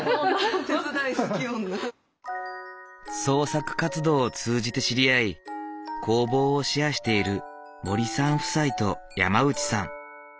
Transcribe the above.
創作活動を通じて知り合い工房をシェアしている森さん夫妻と山内さん。